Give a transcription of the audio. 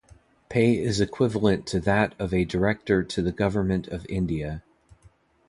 Pay is equivalent to that of a Director to the Government of India.